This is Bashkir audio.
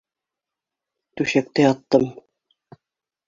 Түшәктә яттым.